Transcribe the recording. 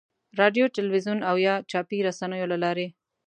رادیو، تلویزیون او یا چاپي رسنیو له لارې.